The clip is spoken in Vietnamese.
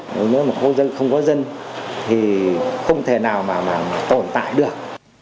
nếu như một khu dân không có dân thì không thể nào mà tồn tại được